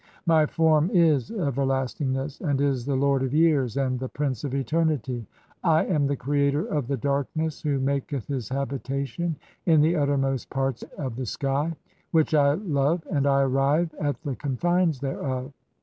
My "Form is everlastingness, and is the lord of years (11) and the "prince of eternity. [I am] the creator of the darkness who maketh "his habitation in the uttermost parts of the sky, [which] I love "(12), and I arrive at the confines thereof.